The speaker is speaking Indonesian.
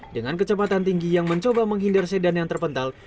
dengan kecepatan tinggi yang mencoba menghindar sedan yang terpental